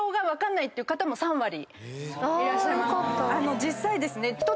実際ですね。